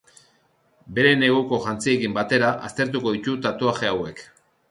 Bere neguko jantziekin batera aurkeztuko ditu tatuaje hauek.